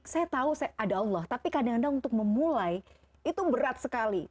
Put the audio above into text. saya tahu ada allah tapi kadang kadang untuk memulai itu berat sekali